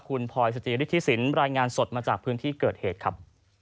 คุณพลอยสจิฤทธิสินรายงานสดมาจากพื้นที่เกิดเหตุครับ